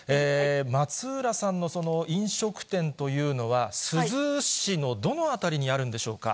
松浦さんのその飲食店というのは、珠洲市のどの辺りにあるんでしょうか？